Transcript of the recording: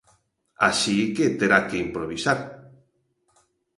Así que terá que improvisar.